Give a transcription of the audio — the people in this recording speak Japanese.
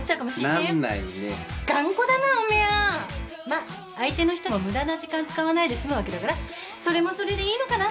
まあ相手の人も無駄な時間使わないで済むわけだからそれもそれでいいのかな。